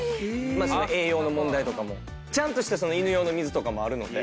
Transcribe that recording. まあその栄養の問題とかも。ちゃんとした犬用の水とかもあるので。